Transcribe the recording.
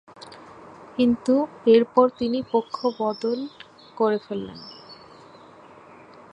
কিন্তু এরপর তিনি পক্ষ বদল করে ফেলেন।